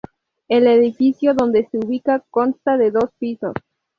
El edificio donde se ubica consta de dos pisos.